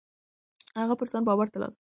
هغه پر ځان باور ترلاسه کړ.